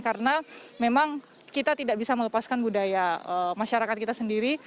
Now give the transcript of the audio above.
karena memang kita tidak bisa melepaskan budaya masyarakat kita sendiri